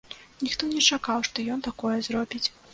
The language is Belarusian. Ніхто не чакаў, што ён такое зробіць.